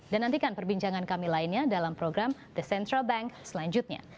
dan nantikan perbincangan kami lainnya dalam program the central bank selanjutnya